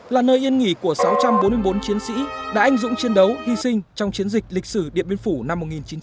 là nơi yên nghỉ của sáu trăm bốn mươi bốn chiến sĩ đã anh dũng chiến đấu hy sinh trong chiến dịch lịch sử điện biên phủ năm một nghìn chín trăm bảy mươi